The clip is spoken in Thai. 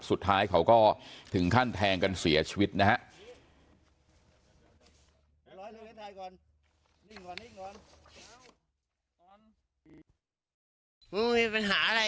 สุดท้ายเขาก็ถึงขั้นแทงกันเสียชีวิตนะฮะ